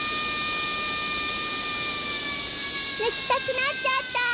ぬきたくなっちゃった！